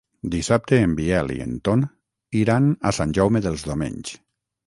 Dissabte en Biel i en Ton iran a Sant Jaume dels Domenys.